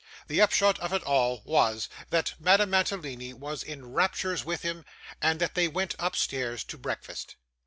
The upshot of it all was, that Madame Mantalini was in raptures with him, and that they went upstairs to breakfast.